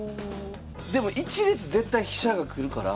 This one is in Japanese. でも１列絶対飛車が来るから。